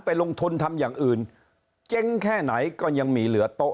ไปลงทุนทำอย่างอื่นเจ๊งแค่ไหนก็ยังมีเหลือโต๊ะ